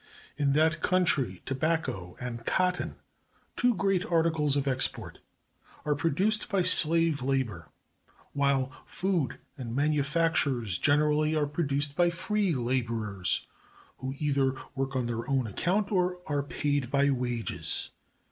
In that country tobacco and cotton, two great articles of export, are produced by slave labor, while food and manufactures generally are produced by free laborers, who either work on their own account or are paid by wages.